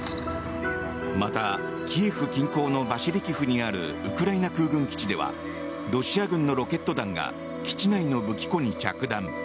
また、キエフ近郊のバシリキフにあるウクライナ空軍基地ではロシア軍のロケット弾が基地内の武器庫に着弾。